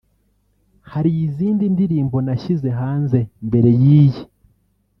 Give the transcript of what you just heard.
“Hari izindi ndirimbo nashyize hanze mbere y’iyi